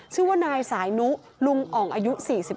ชื่อว่านายสายนุลุงอ่องอายุ๔๒